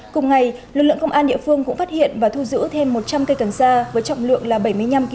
cùng ngày lực lượng công an địa phương cũng phát hiện và thu giữ thêm một trăm linh cây cần sa với trọng lượng là bảy mươi năm kg